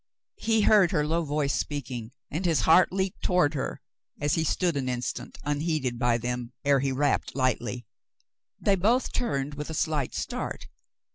He heard her low voice speaking, and his heart leaped toward her as he stood an instant, unheeded by them, ere he rapped lightly. They both turned with a slight start.